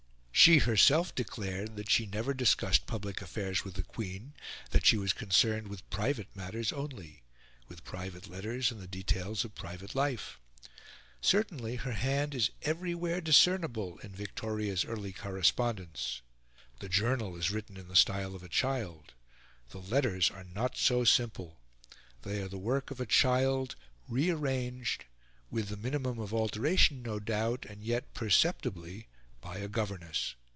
She herself declared that she never discussed public affairs with the Queen, that she was concerned with private matters only with private letters and the details of private life. Certainly her hand is everywhere discernible in Victoria's early correspondence. The Journal is written in the style of a child; the Letters are not so simple; they are the work of a child, rearranged with the minimum of alteration, no doubt, and yet perceptibly by a governess.